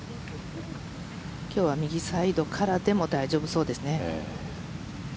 今日は右サイドからでも大丈夫そうですね。